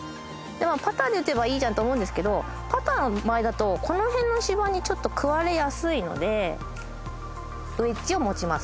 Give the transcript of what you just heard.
パターで打てばいいじゃんと思うんですけどパターの場合だとこの辺の芝にちょっと食われやすいのでウェッジを持ちます。